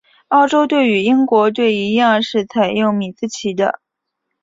澳洲队与英国队一样是采用米字旗的。